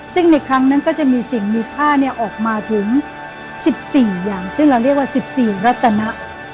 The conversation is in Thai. ซึ่งในครั้งนั้นก็จะมีสิ่งมีค่าออกมาถึง๑๔อย่างซึ่งเราเรียกว่า๑๔รัตนะ